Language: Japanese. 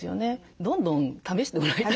どんどん試してもらいたい。